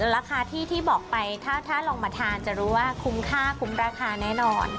ราคาที่บอกไปถ้าลองมาทานจะรู้ว่าคุ้มค่าคุ้มราคาแน่นอน